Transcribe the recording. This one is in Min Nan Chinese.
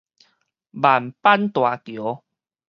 萬板大橋